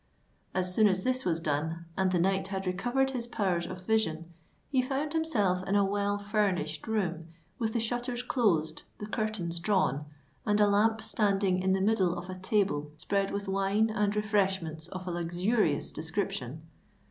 As soon as this was done, and the knight had recovered his powers of vision, he found himself in a well furnished room, with the shutters closed, the curtains drawn, and a lamp standing in the middle of a table spread with wine and refreshments of a luxurious description.